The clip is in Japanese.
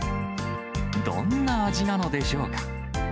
どんな味なのでしょうか。